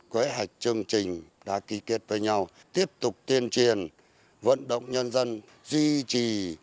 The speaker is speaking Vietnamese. kế hoạch chương trình đã kỳ kết với nhau tiếp tục tiên triển vận động nhân dân duy trì